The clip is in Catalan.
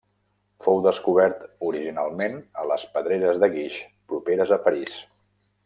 Fou descobert originalment a les pedreres de guix properes a París.